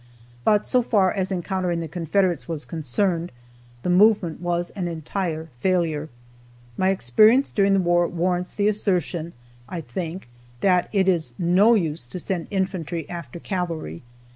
But so far as encountering the Confederates was concerned, the movement was an entire failure. My experience during the war warrants the assertion, I think, that it is no use to send infantry after cavalry.